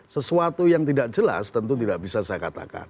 sesuatu yang tidak jelas tentu tidak bisa saya katakan